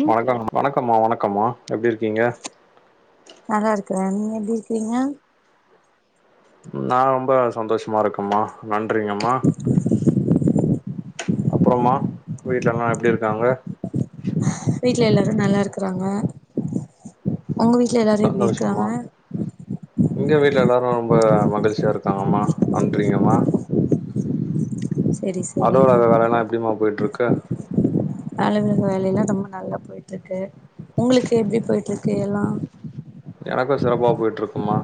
ம் வணக்கம் வணக்கம்மா வணக்கம்மா எப்டி இருக்கீங்க நல்லா இருக்குற நீங்க எப்டி இருக்கிறீங்க நா ரொம்ப சந்தோஷமா இருக்கம்மா நன்றிங்கம்மா அப்புறோம்மா வீட்ல எல்லா எப்டி இருக்காங்க வீட்ல எல்லாரோ நல்லாருக்குறாங்க ஒங்க வீ சந்தோஷம்மா இங்க வீட்ல எல்லோாரும் ரொம்ப மகிழ்ச்சியா இருக்காங்கம்மா நன்றிங்கம்மா செரி செரி அலுவலக வேலல எப்டிமா போயிட்ருக்கு [unintelligible] ரொம்ப நல்லா போய் ட்ருக்கு உங்களுக்கு எப்டி போயிட்ருக்கு எல்லா எனக்கு சிறப்பா போயிட்ருக்குமா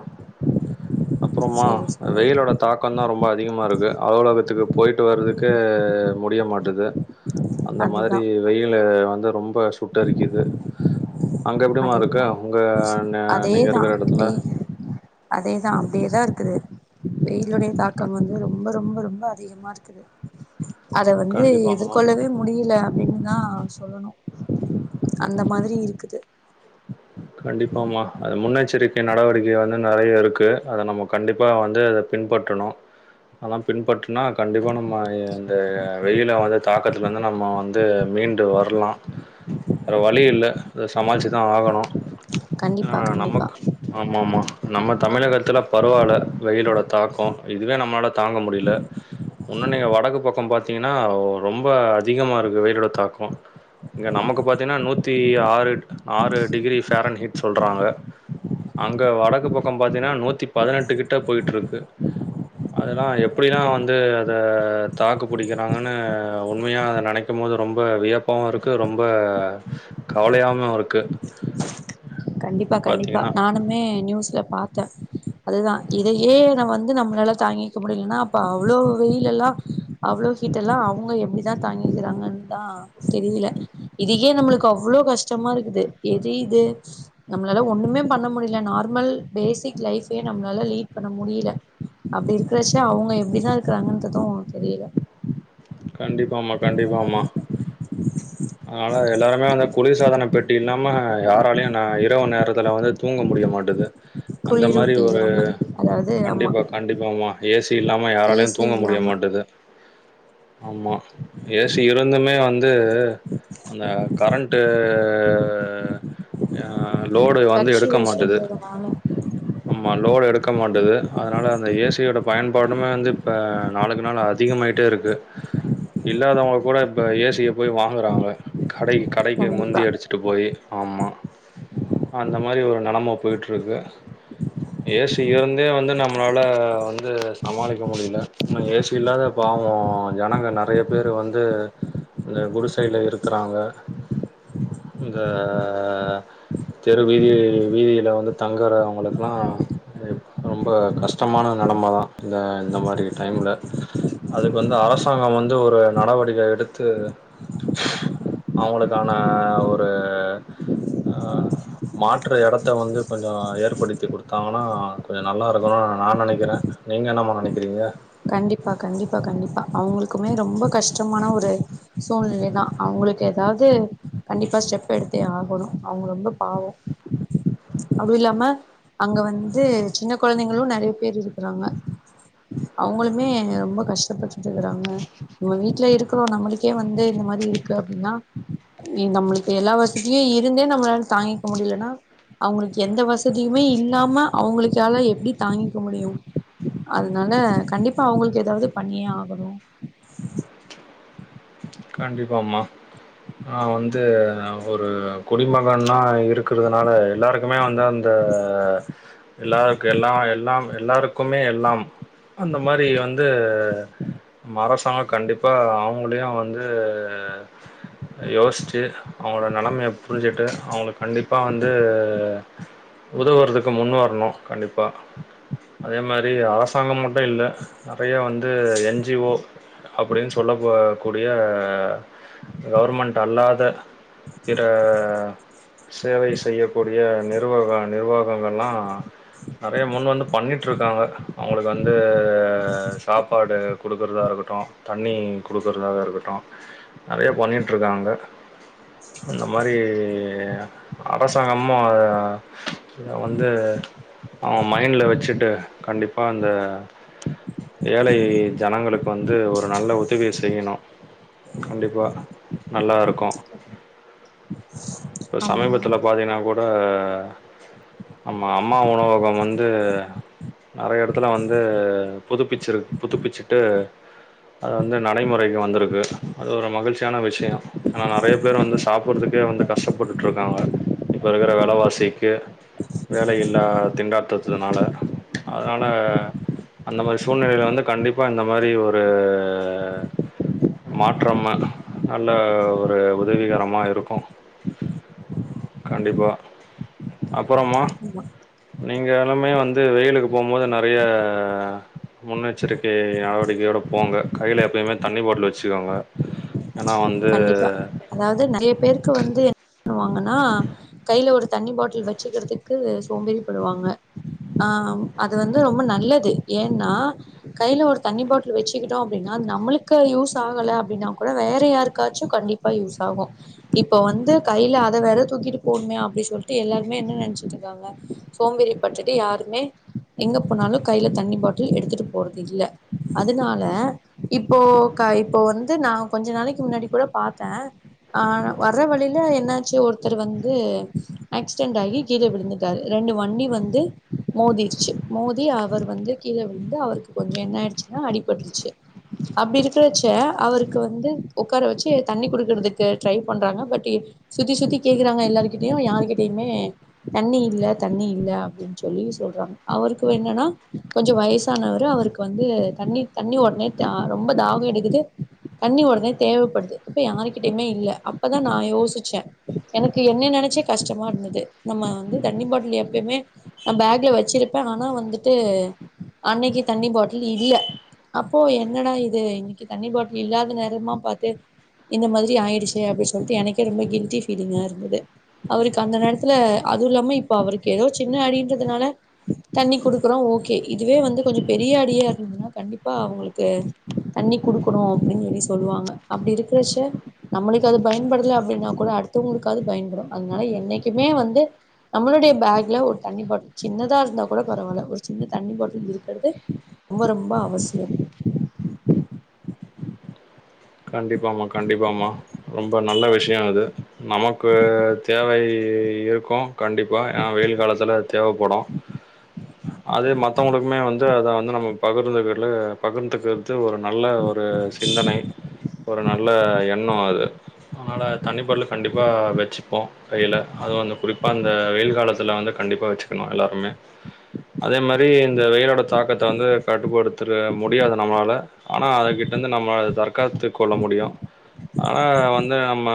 அப்றமா செரி செரி வெயிலோட தாக்கந் தா ரொம்ப அதிகமா இருக்கு அலுவலகத்துக்கு போயிட்டு வர்துக்கே முடிய மாட்டுது அந்த அதுதா மாரி வெயிலு வந்து ரொம்ப சுட்ட அரிக்கிது அங்க எப்டிமா இருக்கு அதேதா ஒங்க அதேதா மெய்ன் அதேதா அப்டியேதா இருக்குது வெயிலுடைய தாக்கம் வந் ம் ரொம்ப ரொம்ப ரொம்ப அதிகமா இருக்குது அத வந்து கண்டிப்பாமா எதிர்கொள்ளவே முடியல [unintelligible] தா சொல்லணு அந்த மாத்ரி இருக்குது கண்டிப்பாமா அது முன்னெச்சரிக்கை நடவடிக்கை வந்து நெறைய இருக்கு அத நம்ம கண்டிப்பா வந்து அத பின்பற்றனு அதலா பின்பற்றுனா கண்டிப்பா நம்ம எ இந்த வெயில வந்து தாக்கத்துலருந்து நம்ம வந்து மீண்டு வரலா வேற வழியில்ல அத சமாள்ச்சு தா ஆகணோ அ கண்டிப்பா கண்டிப்பா நமக்கு ஆமாம்மா நம்ம தமிழகத்துல பரவால்ல வெயிலோட தாக்கோ இதுவே நம்மளால தாங்க முடியல உன்னு நீங்க வடக்கு பக்கோ பாத்தீங்ன்னா ரொம்ப அதிகமா இருக்கு வெயிலோட தாக்கோ இங்க நமக்கு பாத்தீங்கன்னா நூத்தி ஆறு ஆறு டிகிரி பேஃரன் ஹீட் சொல்றாங்க அங்க வடக்கு பக்கோ பாத்தீன்னா நூத்தி பதினெட்டு கிட்ட போயிட்ருக்கு அதெல்லா எப்படிலா வந்து அத தாக்கு பிடிக்கிறாங்கன்னு உண்மையா அத நனைக் கும் போது ரொம்ப வியப்பாவும் இருக்கு ரொம்ப கவலையாவும் ருக்கு கண்டிப்பா கண்டிப்பா நானுமே நியூஸ்ல பாத்தே அதுதா இதையே நா வந்து நம்மளால தாங்கிக்க முடியலன்னா அப்ப அவ்ளோ வெயிலெல்லா அவ்வளோ ஹீட்டெல்லா அவுங்க எப்படிதா தாங்கிக்கிறாங்கன்தா தெரியில இதுக்கே நம்மளுக்கு அவ்ளோ கஷ்டமா இருக்குது எரியிது நம்மளால ஒண்ணுமே பண்ண முடியல நார்மல் பேசிக் லைஃபே நம்மளால லீட் பண்ண முடியல அப்டி இருக்கிறச்சா அவுங்க எப்படிதா இருக்கறாங்கன்தது தெரியில கண்டிப்பாம்மா கண்டிப்பாமா அதனால எல்லாருமே வந்து குளிர் சாதன பெட்டி பெட்டி இல்லாம யாராலியு நா இரவு நேரத்துல வந்து தூங்க முடிய மாட்டது அந்த மாரி குளிரூட்டி ஒரு இல்லாம அதாவது ஆமா கண்டிப்பா கண்டிப்பாமா ஏசி இல்லாம யாராலயு ஏசி தூங்க முடிய இல்லாம மாட்டது ஆமா ஏசி இருந்துமே வந்து அந்த கரண்டு எ லோடு வந்து எடுக்க மாட்டது ஃப்ளக்சுவேஷன்றதுனால ஆமா லோடு எடுக்க மாட்டது அதனா அந்த ஏசியோடய பயன்பாடும்மே வந்து இப்போ நாளுக்கு நாள் ஆ அதிகமாயிட்டே இருக்கு இல்லாதவங்க கூட இப்போ ஏசிய போய் வாங்குறாங்க கடைக்கு கடைக்கு கண்டிப்பா முந்தி அடிச்சி ட்டு போய் ஆமா அந்த மாதிரி ஒரு நெலம பொய்ட்டுருக்கு ஏசி இருந்தே வந்து நம்மளால வந்து சமாளிக்க முடியல இன்னு ஏசி இல்லாத பாவோ ஜனங்க நெறைய பேர் வந்து இந்த குடிசைல இருக்குறாங்க இந்த ஆ தெரு வீதி வீதியில வந்து தங்கறவங்களுக்லா ரொம்ப கஷ்டமான நிலம தா இந்த இந்த மாரி டைம்ல அதுக்கு வந்து அரசாங்கம் வந்து ஒரு நடவடிக்க எடுத்து அவங்களுக்கான ஒரு ஆ மாற்று எடத்த வந்து கொஞ்சோ ஏற்படுத்தி குடுத்தாங்கன்னா கொஞ்சோ நல்லா இருக்கணு நா நெனைக்கிறே நீங்க என்னம்மா நெனைக்கிறீங்க கண்டிப்பா கண்டிப்பா கண்டிப்பா அவங்களுக்குமே ரொம்ப கஷ்டமான ஒரு சூழ்நிலை தா அவங்களுக்கு எதாவது கண்டிப்பா ஸ்டெப் எடுத்தே ஆகணு அவங்க ரொம்ப பாவொ அதுவு இல்லாம அங்க வந்து சின்ன கொழந்தைங்களு நெறைய பேர் இருக்கிறாங்க அவுங்களுமே ரொம்ப கஷ்டப்பட்டுட்டு இருக்குறாங்க நம்ம வீட்ல இருக்கிறோ நம்மளுக்கே வந்து இந்த மாரி இருக் இருக்கு அப்டின்னா நீ நம்மளுக்கு எல்லா வசதியு இருந்தே நம்மளால தாங்கிக்க முடியலனா அவங்களுக்கு எந்த வசதியுமே இல்லாம அவங்களுக்கால எப்டி தாங்கிக்க முடியு அதனால கண்டிப்பா அவங்களுக்கு ஏதாவது பண்ணியே ஆகணு கண்டிப்பாமா நா வந்து ஒரு குடிமகனா இருக்குறதுனால எல்லாரு க்குமே வந்து அந்த எல்லாருக்கு எல்லா எல்லா எல்லாருக்குமே எல்லாம் அந்த மாரி வந்து அரசாங்கம் கண்டிப்பா அவங்களையு வந் வந்து யோச்சு அவங்களோட நிலமைய புரிஞ்சுட்டு அவங்களுக்கு கண்டிப்பா வந்து உதவுறதுக்கு முன் வரணு கண்டிப்பா அதே மாரி அரசாங்கம் மட்டு இல்ல நெறையா வந்து என் ஜி ஓ அப்படின்னு சொல்லப்ப கூடிய கவர்மெண்ட் அல்லாத பிற ஆ சேவை செய்யக்கூடிய நிர்வக நிர்வகங்கள்லா நெறைய முன் வந்து பண்ணிட்டுருக்காங்க அவங்களுக்கு வந் வந்து சாப்பாடு குடுக்குறதா இருக்கட்டு தண்ணி குடுக் பொருளாக இருக்கட்டு நெறைய பண்ணிட்டுருக்காங்க அந்த மாரி ஏ அரசாங்கமு ஆ இத வந்து அவ மைண்ட்ல வச்சுட்டு கண்டிப்பா இந்த ஏழை ஜனங்களுக்கு வந்து ஒரு நல்ல உதவி செய்யணு கண்டிப்பா நல்லா ருக்கொ இப்ப ஆமா சமீபத்துல பாத்தீங்கன்னா கூட ஆமா அம்மா உணவகம் வந்து நெறைய எடத்துல வந்து புதுப்பிச்சிரு புதுப்பிச்சுட்டு அது வந்து நடைமுறைக்கு வந்திருக்கு அது ஒரு மகிழ்ச்சியான விஷயோ ஆனா நெறைய பேர் வந்து சாப்பறதுக்கே வந்து கஷ்டப்பட்டுட்ருக்காங்க இப்ப இக்கற வெலவாசிக்கு வேல இல்ல திண்டாட்டதுனால அதுனால அந்த மாரி சூழ்நிலையில வந்து கண்டிப்பா இந்த மாரி ஒரு மாற்றம் நல்ல ஒரு உதவிகரமா இருக்கு கண்டிப்பா அப்றமா ஆமா நீங்களுமே வந்து வெயிலுக்கு போம்போது நெறய முன்னெச்சரிக்கை நடவடிக்கையோட போங்க கைல எப்பயுமே தண்ணி பாட்டல் வச்சுக்கோங்க ஏன்னா வந்து அதாது நெறைய பேருக்கு வந்து என்ன பண்ணுவாங்கன்னா கைல ஒரு தண்ணி பாட்டில் வச்சுக்கிறதுக்கு சோம்பேறி படுவாங்க ஆ அது வந்து ரொம்ப நல்லது ஏன்னா கைல ஒரு தண்ணி பாட்லு வெச்சுக்கிட்டோ அப்டின்னா அது நம்மளுக்கு யூஸ் ஆகல அப்டின்னா கூட வேற யாருக் எதுகாச்சு கண்டிப்பா யூஸ் ஆகும் இப்ப வந்து கைல அத வேற தூக்கிட்டு போணுமே அப்டி சொல்ட்டு எல்லாருமே என்ன நென்ச்சிட்டு இருக்காங்க சோம்பேறி பட்டுட்டு யாருமே எங்க போனாலு கைல தண்ணி பாட்டில் எடுத்துட்டு போறது இல்ல அதுனால இப்போ கா இப்போ வந்து நா கொஞ்ச நாளைக்கு முன்னாடி கூட பாத்தே ஆ வர்ற வழில என்னாச்சு ஒருத்தர் வந்து ஆக்ஸ்டென்ட் ஆகி கீழ விழுந்துட்டாரு ரெண்டு வண்டி வந்து மோதிருச்சு மோதி அவர் வந்து கீழ விழுந்து அவருக் கொஞ்சோ என்ன ஆயிடுச்சுன்னா அடிபட்ருச்சு அப்டி இருக்கறச்ச அவுருக்கு வந்து ஒப் உக்கார வச்சு தண்ணி குடுக்குறதுக்கு ட்ரை பண்றாங்க பட் சுத்தி சுத்தி கேக்றாங்க எல்லார்கிட்டியு யாருகிட்டயுமே தண்ணி இல்ல தண்ணி இல்ல அப்டின் சொல்லி சொல்றாங்க அவுருக்கு வேணுன்னா கொஞ்சம் வயசானவரு அவுருக்கு வந்து தண்ணி தண்ணி ஒட்னே தா ரொம்ப தாகம் எடுக்குது தண்ணி ஒடனே தேவப்படுது இப்ப யார்கிட்டயுமே இல்ல அப்போதா நா யோசிச்சே எனக்கு என்ன நினைச்சே கஷ்டமா இருந்தது நம்ம வந்து தண்ணி பாட்டில் எப்யுமே நா பேக்ல வச்சிருப்பே ஆனா வந்துட்டு அன்னைக்கு தண்ணி பாட்டில் இல்ல அப்போ என்னடா இது இன்னிக்கி தண்ணி பாட்லு இல்லாத நேரமா பாத் து இந்த மதிரி ஆயிடுச்சே அப்டி சொல்ட்டு எனக்கே ரொம்ப கில்டி ஃபீலிங்கா இருந்தது அவுருக்கு அந்த நேரத்ல அதுவும் இல்லாம இப்ப அவருக்கு ஏதோ சின்ன அடின்றதுனால தண்ணி குடுக்குறோம் ஓகே இதுவே வந்து கொஞ்சம் பெரிய அடியா இருந்ததுன்னா கண்டிப்பா அவங்களுக்கு தண்ணி குடுக்கணு அப்டின்னு சொல்லி சொல்லுவாங்க அப்டி இருக்றச்ச நம்மளுக்கு அது பயன்படல அப்டின்னாக் கூட அடுத்தவங்ளுக்காது பயன்படும் அதனால என்னைக்குமே வந்து நம்மளுடைய பேக்ல ஒரு தண்ணி பாட்டில் சின்னதா இருந்தா கூட பரவால்ல ஒரு சின்ன தண்ணி பாட்டில் இருக்கறது ரொம்ப ரொம்ப அவசியம் கண்டிப்பா மா கண்டிப்பா மா ரொம்ப நல்ல விஷ்யோ அது நமக்கு தேவை இருக்கும் கண்டிப்பா அ வெயில் காலத்தில அது தேவப்படும் அதே மத்தவங்களுக்குமே வந் து அத வந்து நம்ம பகிர்ந்துகர்ல பகிர்ந்துக்குறது ஒரு நல்ல ஒரு சிந்தனை அதனால தண்ணி பாட்லு கண்டிப்பா வச்சுப்போ கைல அதுவு வந்து குறிப்பா அந்த வெயில் காலத்துல வந்து கண்டிப்பா வச்சுக்குணு எல்லாருமே அதே மாரி இந்த வெயிலோட தாக்கத்த வந்து கட்டுப்படுத்துற முடியாது நம்மளால ஆனா அதுக்கிட்ட இருந்து நம்ம தற்காத்து கொள்ள முடியும் ஆனா வந்து நம்ம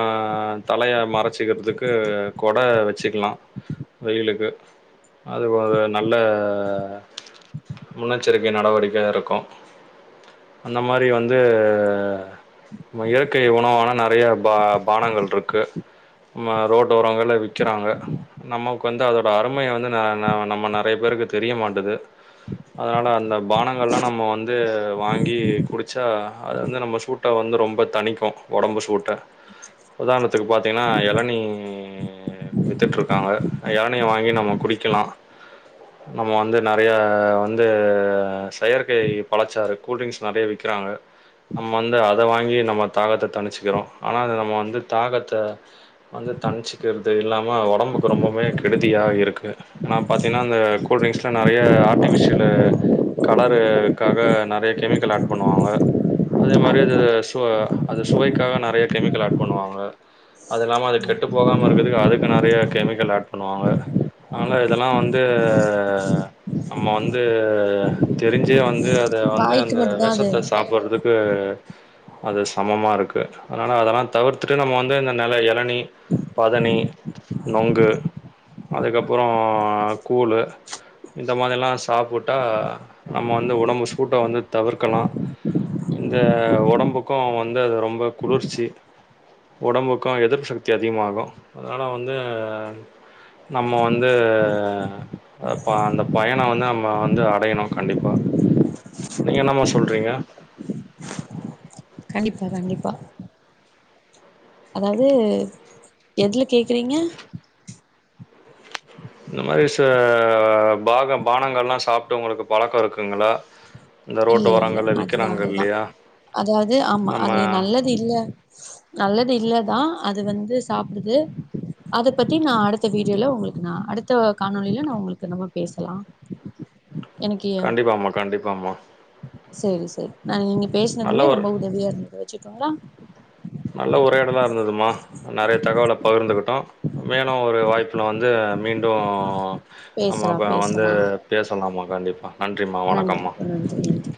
தலய மறச்சிக்கிறதுக்கு கொட வேற வச்சுக்லா வெயிலுக்கு அது ஒரு நல்ல முன்னெச்சரிக்கை நடவடிக்கை இருக்கோ அந்த மாரி வந்து இந்த இயற்கை உணவான நெறையா பா பானங்கள் ருக்கு ஆமா ரோட்டோரங்கள விக்கறாங்க நமக்கு வந்து அதோட அருமை வந்து ந ந நம்ம நெறைய பேருக்கு தெரிய மாட்டது அதனால அந்த பானங்கள்லா நம்ம வந்து வாங்கி குடிச்சா வந்து நம்போ சூட்ட வந்து ரொம்ப தனிக்கோ ஒடம்பு சூட்ட உதார்ணுத்துக்கு பாத்திங்ன்னா எளநீ ம் வித்துட்ருக்காங்க எளநீ வாங்கி நம்ம குடிக்கலாம் [inaudible] நம்ம வந்து நறையா வந்து செயற்கை பழச்சார் கூல்ரிங்க்ஸ் நறைய விக்கிறாங்க நம்ம வந்து அத வாங்கி நம்ம தாகத்த தணிச்சுக்கிறோ ஆனா அது நம்ம வந்து தாகத்த வந்து தணிச்சிக்கிற்து இல்லாம ஒடம்புக்கு ரொம்பவே கெடுதியா இருக்கு நா பாத்தீங்கனா அந்த கூல்ட்ரிங்ஸ்ல நறையா ஆர்டிஃபிஷலு கலருக்காக நறிய கெமிக்கல் ஆட் பண்ணுவாங்க அதே மாரி அது சுவ அது சுவைக்காக நறைய கெமிக்கல் ஆட் பண்ணுவாங்க அது இல்லாம அது கெட்டு போகாம இருக்கறதுக்கு அதுக்கு நறையா கெமிக்கல் ஆட் பண்ணுவாங்க ஆனா இதுல்லா வந்து நம்ம வந்து தெரிஞ்சே வந்து அத வந்து வாய்க்கு அந்த மட்டுந்தா அது விஷத்த சாப்புற து அது சமமா இருக்கு ஆனா அதனா அதெல்லா தவித்துட்டு நம்ம வந்து இந்த நெல எல நீ பதனி நொங்கு அதுக்கபபுறோ கூல்லு இந்த மாரிலா சாப்புட்டா நம்ம வந்து ஒடம்பு சூட்ட வந்து தவிக்கலா இந்த ஒடம்புக்கு வந்து அது ரொம்ப குளிர்ச்சி ஒடம்புக்கோ எதிர்ப்பு சக்தி அதிகமாகோ அதனால வந்து நம்ம வந்து அந்த ப பயணோ வந்து நம்ம வந்து அடையணோ கண்டிப்பா நீங்க என்னம்மா சொல்றீங்க [unintelligible] கண்டிப்பா கண்டிப்பா அதாவது எதுல கேக்றீங்க இந்த மாரி ச பாக பானங்கலா சாப்ட்டு உங்குளுக்கு பழக்கோ இருக்குங்களா இந்த ரோட்டு இல்ல இல்ல ஓரங்கள்ல அதுதா விக்கிறாங்க அதுதா இல்லையா? அதாவது ஆமா நம்ம அது நல்லது இல்ல நல்லது இல்லதா அது வந்து சாப்டுது அத பத்தி நா அடுத்த வீடியோல உங்குளுக்கு நா அடுத்த காணொலில நா உங்குளுக்கு நம்ம பேசலா [unintelligible] கண்டிப்பா மா கண்டிப்பா மா செரி செரி நா நீங்க நல்ல பேசுனதுமே ஒரு ரொம்ப உதவியா இருந்தது வெச்சுட்டோங்களா நல்ல உரையாடலா இருந்ததுமா நெறைய தகவல பகிர்ந்துகிட்டோ மேலு ஒரு வாய்ப்புல வந்து மீண்டு பேசலா நம்மப்ப வந்து பேசலா பேசலாம்மா கண்டிபா நன்றிம்மா நன்றி வணக்கம்மா நன்றி நன்றி